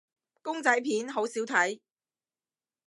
公仔片好少睇